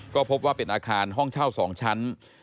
ก็พบว่าเป็นอาคารห้องเช่า๒ชั้น